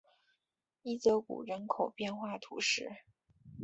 伊泽谷人口变化图示